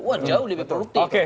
wah jauh lebih produktif